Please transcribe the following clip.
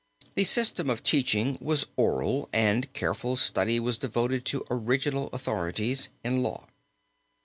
The system of teaching was oral, and careful study was devoted to original authorities in law.